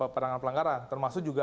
penanganan pelanggaran termasuk juga